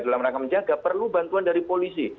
dalam rangka menjaga perlu bantuan dari polisi